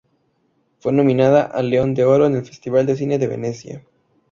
Fue nominada al León de Oro en el Festival de Cine de Venecia.